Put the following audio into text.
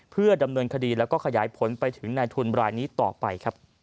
เพื่อดำเนินคดีแล้วก็ขยายผลไปถึงในทุนรายนี้ต่อไปครับ